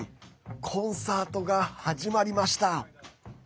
コンサートが始まりました。